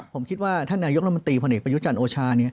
ผมคิดว่าท่านนายกรมนตรีพลเอกประยุจันทร์โอชา